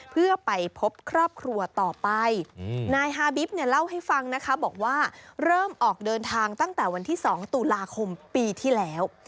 เพื่อไปพบครอบครัวต่อไปนายฮาบิ๊บเนี่ยเล่าให้ฟังนะคะบอกว่าเริ่มออกเดินทางตั้งแต่วันที่๒ตุลาคมปีที่แล้ว